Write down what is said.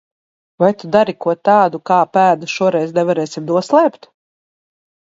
Vai tu dari ko tādu, kā pēdas šoreiz nevarēsim noslēpt?